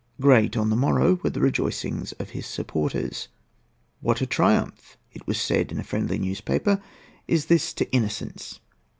Great, on the morrow, were the rejoicings of his supporters. "What a triumph," it was said in a friendly newspaper, "is this to innocence!